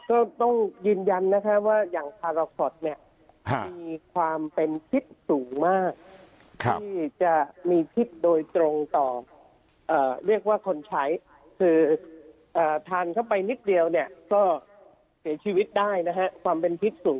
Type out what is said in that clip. ก็ต้องยืนยันนะคะว่าอย่างพาราคอตเนี่ยมีความเป็นพิษสูงมากที่จะมีพิษโดยตรงต่อเรียกว่าคนใช้คือทานเข้าไปนิดเดียวเนี่ยก็เสียชีวิตได้นะฮะความเป็นพิษสูง